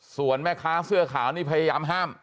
ส่วนแม่ค้าเสื้อขาวนี่พยายามห้าม